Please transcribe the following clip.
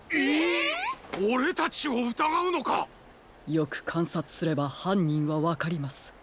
よくかんさつすればはんにんはわかります。